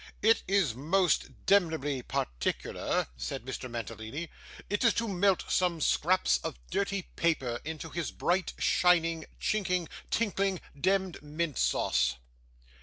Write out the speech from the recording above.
'It is most demnebly particular,' said Mr. Mantalini. 'It is to melt some scraps of dirty paper into bright, shining, chinking, tinkling, demd mint sauce.